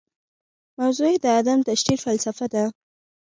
موضوع یې د عدم تشدد فلسفه ده.